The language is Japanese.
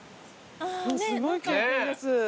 すごい経験です。